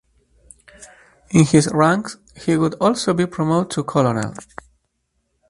In his ranks he would also be promoted to colonel.